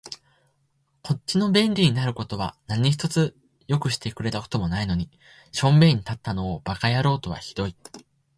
こっちの便利になる事は何一つ快くしてくれた事もないのに、小便に立ったのを馬鹿野郎とは酷い